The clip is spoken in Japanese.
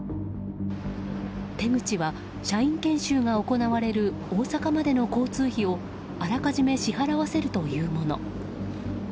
手口は社員研修が行われる大阪までの交通費をあらかじめ支払わせるというもの。